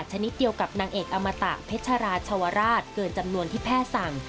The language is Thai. ชนิดเดียวกับนางเอกอมตะเพชรราชวราชเกินจำนวนที่แพทย์สั่ง